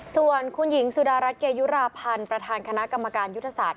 ส่วนคุณหญิงสุดารัฐเกยุราพันธ์ประธานคณะกรรมการยุทธศาสต